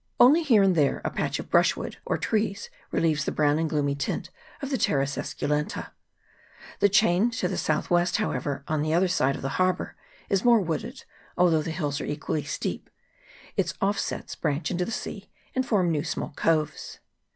Only here and there a patch of brushwood or trees relieves the brown and gloomy tint of the Pteris esculenta. The chain to the south west, however, on the other side of the harbour, is more wooded, although the hills are equally steep ; its offsets branch into the sea, and form a few small coves.